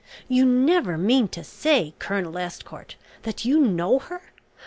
You never mean to say, Colonel Estcourt, that you know her.